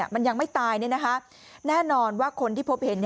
มันยังไม่ตายเนี่ยนะคะแน่นอนว่าคนที่พบเห็น